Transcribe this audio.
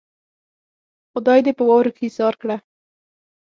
خدای دې په واورو کې ايسار کړه.